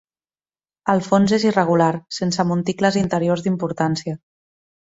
El fons és irregular, sense monticles interiors d'importància.